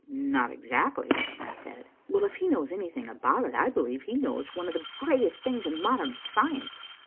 "Not exactly," I said. "Well if he knows anything about it, I believe he knows one of the greatest things in modern science.